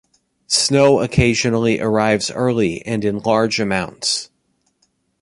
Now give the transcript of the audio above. Snow occasionally arrives early and in large amounts.